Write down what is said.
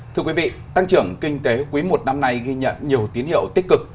thưa quý vị tăng trưởng kinh tế quý một năm nay ghi nhận nhiều tiến hiệu tích cực